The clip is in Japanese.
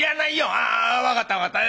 「ああ分かった分かった。